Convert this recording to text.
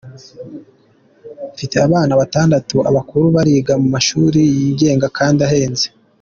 Mfite abana batandatu, abakuru bariga mu mashuri yigenga kandi ahenze.